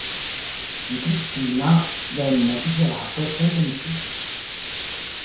Di Cristina venne isolato sempre di più.